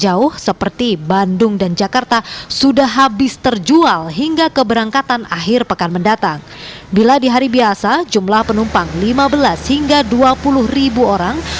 alhamdulillah dapat walaupun beda tempat tapi satu gerbong